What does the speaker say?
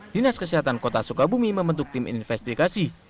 dinas kesehatan kota sukabumi membentuk tim investigasi